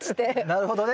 なるほどね。